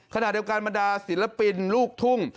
ขณะเดียวกันบรรดาศิลปินลูกทุ่ง